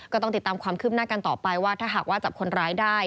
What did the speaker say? ก็ต้องติดตามความคืบหน้ากันต่อไปว่าถ้าหากว่าจับคนร้ายได้